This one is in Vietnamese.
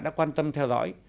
đã quan tâm theo dõi